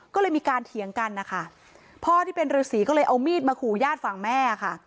ก็เลยมีการเถียงกันนะคะพ่อที่เป็นฤษีก็เลยเอามีดมาขู่ญาติฝั่งแม่ค่ะ